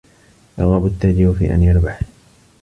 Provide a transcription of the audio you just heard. يَرْغَبُ التَّاجِرُ فِي أَنْ يَرْبَحَ.